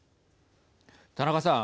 田中さん。